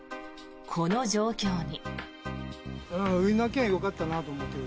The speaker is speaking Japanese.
この状況に。